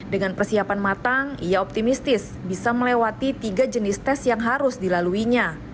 dengan persiapan matang ia optimistis bisa melewati tiga jenis tes yang harus dilaluinya